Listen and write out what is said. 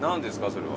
それは。